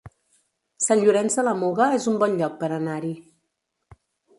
Sant Llorenç de la Muga es un bon lloc per anar-hi